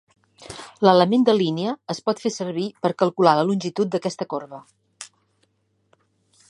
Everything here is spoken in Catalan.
L'element de línia es pot fer servir per calcular la longitud d'aquesta corba.